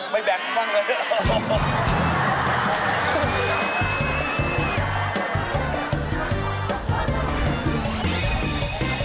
ไม่แบ๊กบ้างเลย